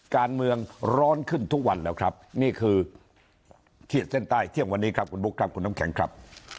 การเมืองร้อนขึ้นทุกวันแล้วครับนี่คือขีดเส้นใต้เที่ยงวันนี้ครับคุณบุ๊คครับคุณน้ำแข็งครับ